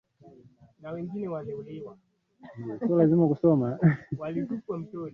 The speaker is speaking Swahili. hazionekani kwa jicho la mwanadamu na ni